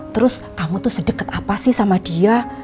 terus kamu tuh sedekat apa sih sama dia